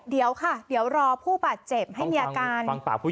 เดี๋ยวค่ะรอผู้บัดเจ็บให้เมียการ